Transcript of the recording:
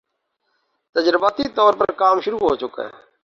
تجرباتی طور پر کام شروع ہو چکا ہے